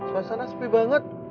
suasana sepi banget